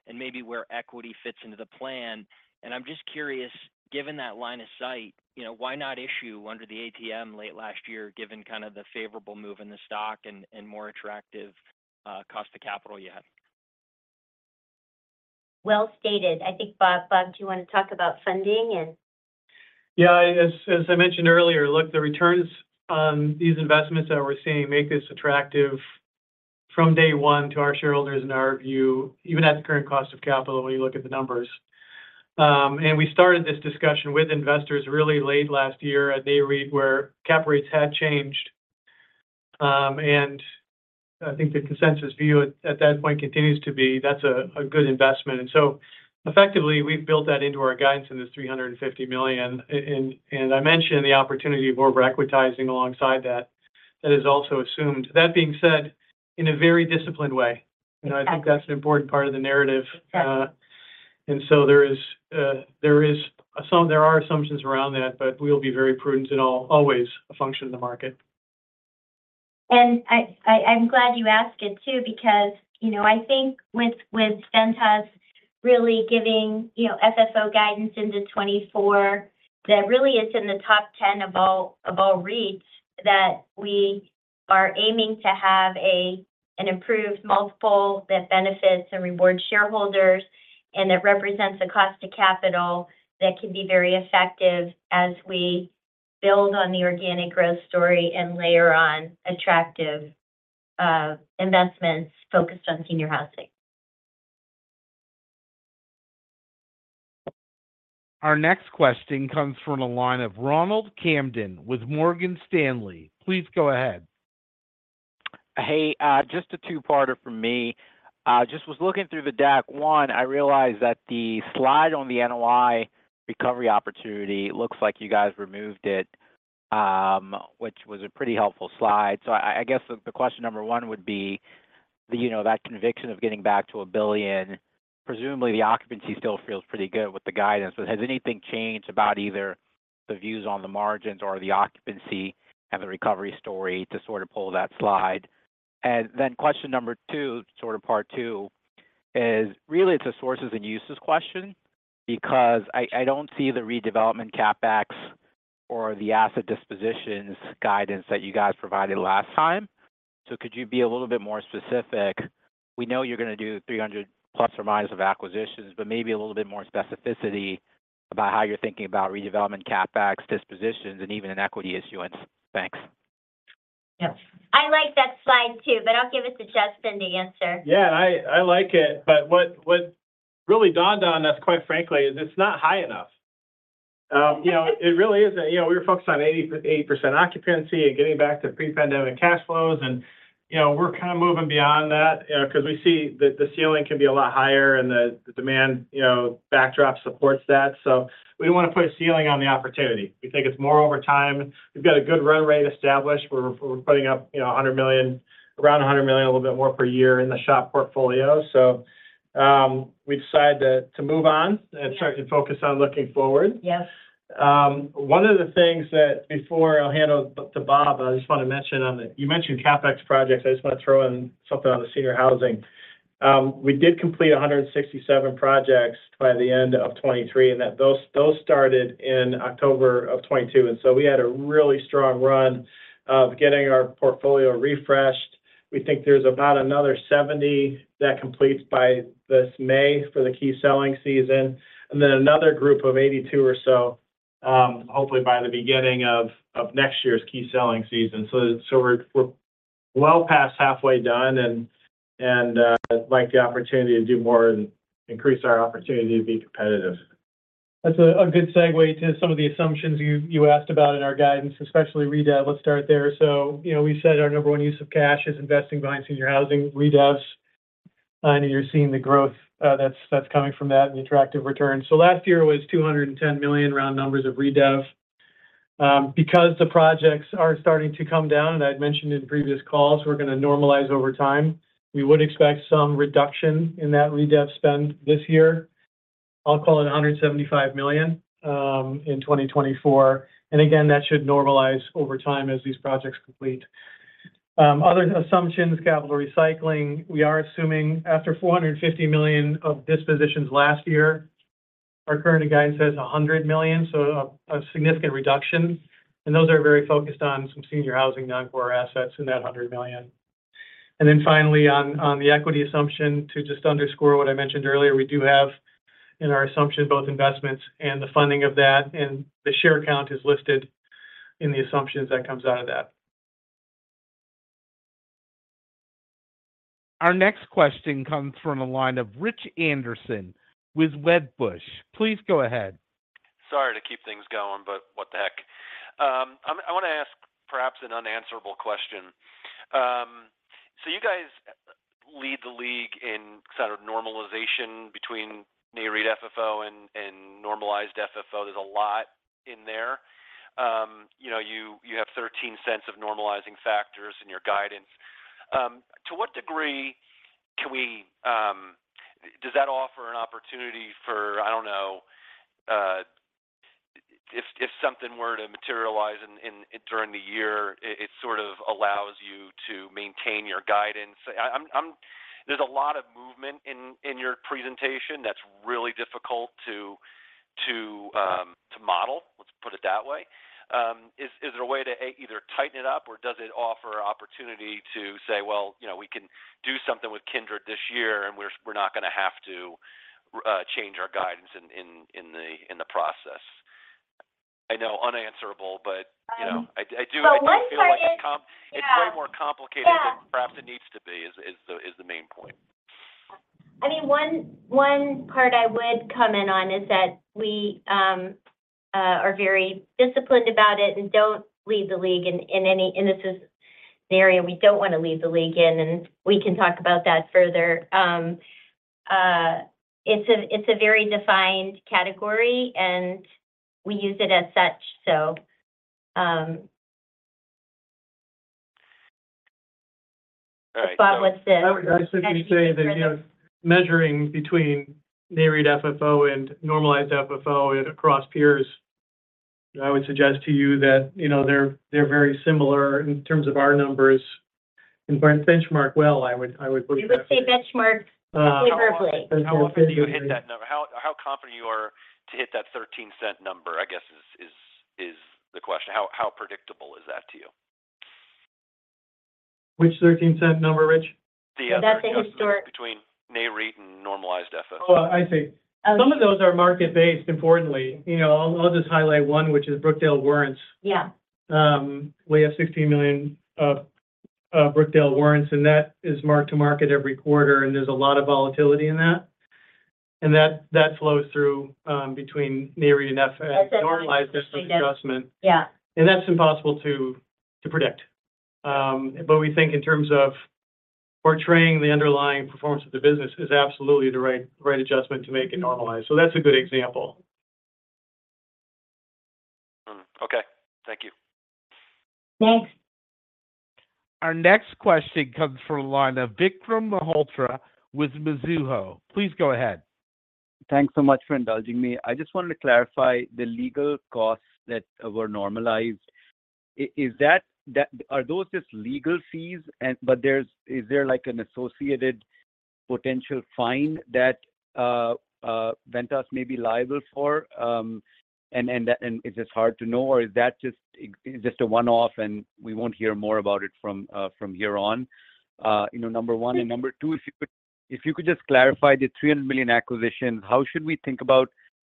and maybe where equity fits into the plan? And I'm just curious, given that line of sight, you know, why not issue under the ATM late last year, given kind of the favorable move in the stock and, and more attractive, cost of capital you had? Well stated. I think, Bob, Bob, do you want to talk about funding and- Yeah. As I mentioned earlier, look, the returns on these investments that we're seeing make this attractive from day one to our shareholders, in our view, even at the current cost of capital, when you look at the numbers. And we started this discussion with investors really late last year, at NAREIT, where cap rates had changed. And I think the consensus view at that point continues to be, that's a good investment. And so effectively, we've built that into our guidance in this $350 million. And I mentioned the opportunity of over-equitizing alongside that. That is also assumed. That being said, in a very disciplined way, and I think that's an important part of the narrative. Sure. And so there are assumptions around that, but we'll be very prudent in all, always a function of the market. I'm glad you asked it, too, because, you know, I think with Ventas really giving, you know, FFO guidance into 2024, that really is in the top 10 of all REITs, that we are aiming to have an improved multiple that benefits and rewards shareholders, and that represents a cost of capital that can be very effective as we build on the organic growth story and layer on attractive investments focused on senior housing. Our next question comes from the line of Ronald Kamden with Morgan Stanley. Please go ahead. Hey, just a two-parter from me. Just was looking through the deck one, I realized that the slide on the NOI recovery opportunity looks like you guys removed it, which was a pretty helpful slide. So I guess the question number one would be, you know, that conviction of getting back to $1 billion, presumably the occupancy still feels pretty good with the guidance, but has anything changed about either the views on the margins or the occupancy and the recovery story to sort of pull that slide. And then question number two, sort of part two, is really it's a sources and uses question, because I don't see the redevelopment CapEx or the asset dispositions guidance that you guys provided last time. So could you be a little bit more specific? We know you're going to do 300 ± of acquisitions, but maybe a little bit more specificity about how you're thinking about redevelopment, CapEx, dispositions, and even an equity issuance. Thanks. Yes. I like that slide too, but I'll give it to Justin to answer. Yeah, I, I like it, but what, what really dawned on us, quite frankly, is it's not high enough. You know, it really isn't. You know, we were focused on 80, 80% occupancy and getting back to pre-pandemic cash flows, and, you know, we're kind of moving beyond that, because we see that the ceiling can be a lot higher and the, the demand, you know, backdrop supports that. So we don't want to put a ceiling on the opportunity. We think it's more over time. We've got a good run rate established. We're, we're putting up, you know, $100 million, around $100 million, a little bit more per year in the SHOP portfolio. So, we decided to, to move on and try to focus on looking forward. Yes. One of the things that before I'll hand over to Bob, I just want to mention on the. You mentioned CapEx projects. I just want to throw in something on the senior housing. We did complete 167 projects by the end of 2023, and those started in October of 2022. And so we had a really strong run of getting our portfolio refreshed. We think there's about another 70 that completes by this May for the key selling season, and then another group of 82 or so, hopefully by the beginning of next year's key selling season. So we're well past halfway done, and like the opportunity to do more and increase our opportunity to be competitive. That's a good segue to some of the assumptions you asked about in our guidance, especially redev. Let's start there. So, you know, we said our number one use of cash is investing behind senior housing redevs. I know you're seeing the growth that's coming from that and the attractive returns. So last year was $210 million round numbers of redev. Because the projects are starting to come down, and I'd mentioned in previous calls, we're going to normalize over time. We would expect some reduction in that redev spend this year. I'll call it $175 million in 2024, and again, that should normalize over time as these projects complete. Other assumptions, capital recycling. We are assuming after $450 million of dispositions last year, our current guidance is $100 million, so a, a significant reduction, and those are very focused on some senior housing non-core assets in that $100 million. And then finally, on, on the equity assumption, to just underscore what I mentioned earlier, we do have in our assumption, both investments and the funding of that, and the share count is listed in the assumptions that comes out of that. Our next question comes from a line of Rich Anderson with Wedbush. Please go ahead. Sorry to keep things going, but what the heck? I want to ask perhaps an unanswerable question. So you guys lead the league in sort of normalization between NAREIT FFO and normalized FFO. There's a lot in there. You know, you have $0.13 of normalizing factors in your guidance. To what degree does that offer an opportunity for, I don't know, if something were to materialize during the year, it sort of allows you to maintain your guidance? There's a lot of movement in your presentation that's really difficult to model. Let's put it that way. Is there a way to either tighten it up, or does it offer an opportunity to say, "Well, you know, we can do something with Kindred this year, and we're not going to have to change our guidance in the process?" I know, unanswerable, but-you know, I do- Well, one part is- I do feel like it's com- Yeah. It's way more complicated- Yeah... than perhaps it needs to be is the main point. I mean, one part I would comment on is that we are very disciplined about it and don't lead the league in any, and this is the area we don't want to lead the league in, and we can talk about that further. It's a very defined category, and we use it as such. So... All right. But what's the- I would just simply say that, you know, measuring between NAREIT FFO and normalized FFO and across peers, I would suggest to you that, you know, they're, they're very similar in terms of our numbers. In benchmark, well, I would, I would push back. You would say benchmark favorably. How often do you hit that number? How confident you are to hit that $0.13 number, I guess, is the question. How predictable is that to you? Which $0.13 number, Rich? The, uh- That's the historic. Between NAREIT and normalized FFO. Oh, I see. Oh. Some of those are market-based, importantly. You know, I'll, I'll just highlight one, which is Brookdale warrants. Yeah. We have $16 million of Brookdale warrants, and that is marked to market every quarter, and there's a lot of volatility in that. And that flows through between NAREIT and F- That's it. Normalised adjustment. Yeah. That's impossible to predict. But we think in terms of portraying the underlying performance of the business is absolutely the right adjustment to make it normalized. So that's a good example. Mm. Okay. Thank you. Thanks. Our next question comes from the line of Vikram Malhotra with Mizuho. Please go ahead. Thanks so much for indulging me. I just wanted to clarify the legal costs that were normalized. Is that—are those just legal fees? Is there like an associated potential fine that Ventas may be liable for? Is this hard to know, or is that just a one-off, and we won't hear more about it from here on? You know, number one, and number two, if you could just clarify the $300 million acquisition, how should we think about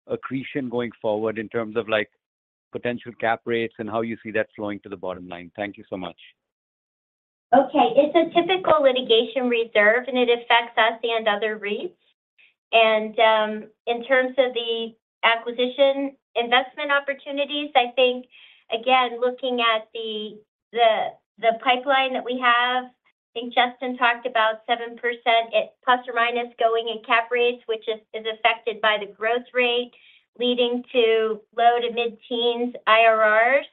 accretion going forward in terms of, like, potential cap rates and how you see that flowing to the bottom line? Thank you so much. Okay. It's a typical litigation reserve, and it affects us and other REITs. In terms of the acquisition investment opportunities, I think, again, looking at the pipeline that we have, I think Justin talked about 7%, plus or minus going in cap rates, which is affected by the growth rate, leading to low- to mid-teens IRRs.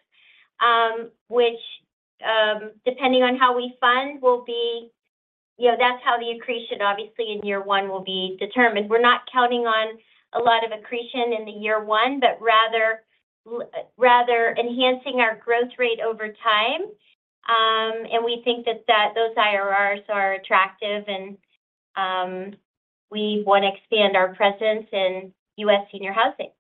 Which, depending on how we fund, will be, you know, that's how the accretion, obviously, in year one will be determined. We're not counting on a lot of accretion in the year one, but rather enhancing our growth rate over time. And we think that those IRRs are attractive and we want to expand our presence in U.S. senior housing.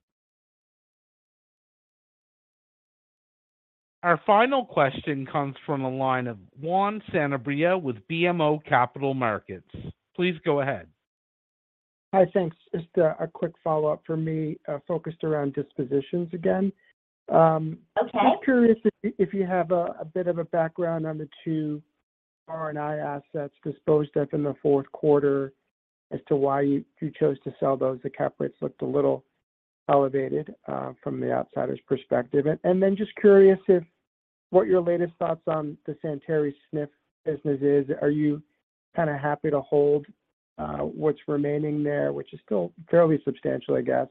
Our final question comes from a line of Juan Sanabria with BMO Capital Markets. Please go ahead. Hi. Thanks. Just a quick follow-up for me, focused around dispositions again. Okay. I'm curious if you have a bit of a background on the two R&I assets disposed of in the fourth quarter as to why you chose to sell those. The cap rates looked a little elevated from the outsider's perspective. And then just curious if what your latest thoughts on the Centerre SNF business is. Are you kind of happy to hold what's remaining there, which is still fairly substantial, I guess,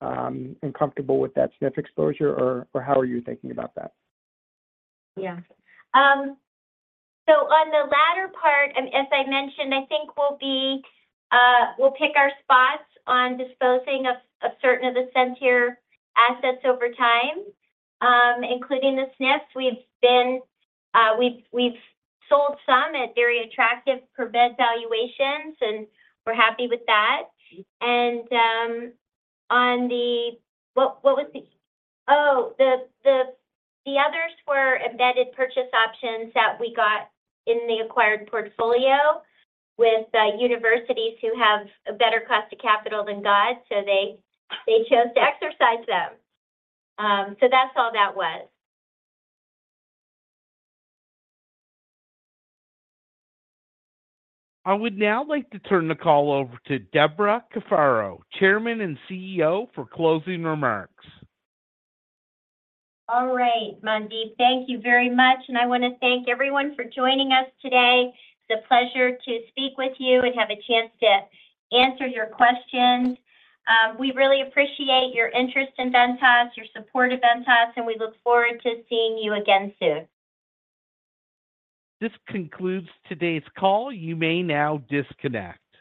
and comfortable with that SNF exposure, or how are you thinking about that? Yeah. So on the latter part, and as I mentioned, I think we'll be, we'll pick our spots on disposing of certain of the Centerre assets over time, including the SNF. We've been, we've sold some at very attractive per-bed valuations, and we're happy with that. And on the others were embedded purchase options that we got in the acquired portfolio with universities who have a better cost to capital than God, so they chose to exercise them. So that's all that was. I would now like to turn the call over to Debra Cafaro, Chairman and CEO, for closing remarks. All right, Mandeep, thank you very much, and I want to thank everyone for joining us today. It's a pleasure to speak with you and have a chance to answer your questions. We really appreciate your interest in Ventas, your support of Ventas, and we look forward to seeing you again soon. This concludes today's call. You may now disconnect.